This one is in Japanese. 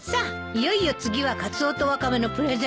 いよいよ次はカツオとワカメのプレゼントね。